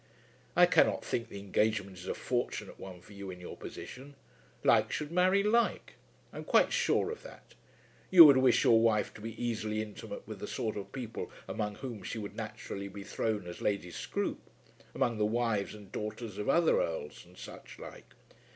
"I cannot think the engagement a fortunate one for you in your position. Like should marry like. I'm quite sure of that. You would wish your wife to be easily intimate with the sort of people among whom she would naturally be thrown as Lady Scroope, among the wives and daughters of other Earls and such like."